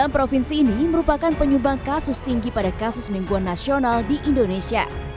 enam provinsi ini merupakan penyumbang kasus tinggi pada kasus mingguan nasional di indonesia